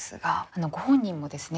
ご本人もですね